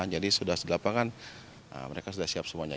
jadi di lapangan mereka sudah siap semuanya